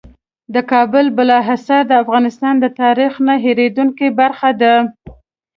د کابل بالا حصار د افغانستان د تاریخ نه هېرېدونکې برخه ده.